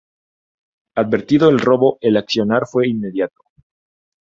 Advertido el robo, el accionar fue inmediato.